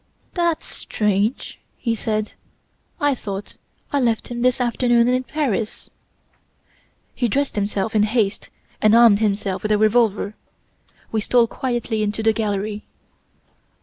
"'That's strange!' he said; 'I thought I left him this afternoon in Paris.' "He dressed himself in haste and armed himself with a revolver. We stole quietly into the gallery.